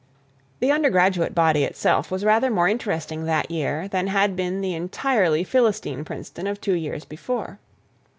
The undergraduate body itself was rather more interesting that year than had been the entirely Philistine Princeton of two years before.